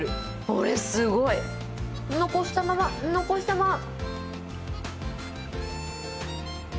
これ、すごい。残したまま、残したまま。